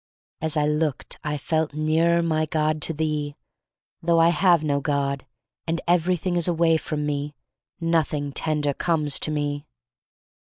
As I looked I felt nearer, my God, to thee — though I have no God and everything is away from me, nothing tender comes to me.